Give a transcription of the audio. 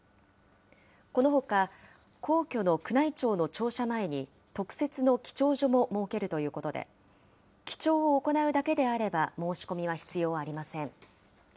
このほか、皇居の宮内庁の庁舎前に、特設の記帳所も設けるということで、記帳を行うだけであれば申し込みは必要ありません。